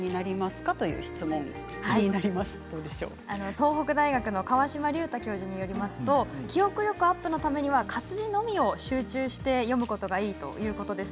東北大学の川島隆太教授によりますと記憶力アップのためには活字のみを集中して読むことがいいということです。